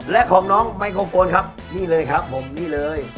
และของน้องไมโครโฟนครับนี่เลยครับผมนี่เลย